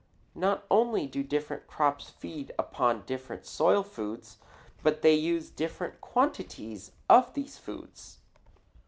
Not only do different crops feed upon different soil foods, but they use different quantities of these foods.